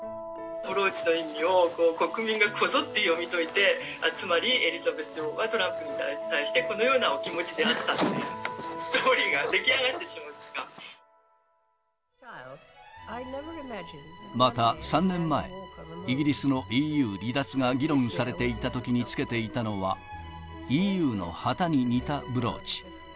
ブローチの意味を、国民がこぞって読み解いて、つまりエリザベス女王は、トランプに対して、このようなお気持であったという、ストーリーまた３年前、イギリスのＥＵ離脱が議論されていたときにつけていたのは、ＥＵの旗に似たブローチ。